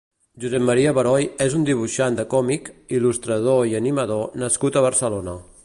Josep Mª Beroy és un dibuixant de còmic, il·lustrador i animador nascut a Barcelona.